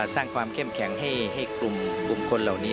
สร้างความเข้มแข็งให้กลุ่มคนเหล่านี้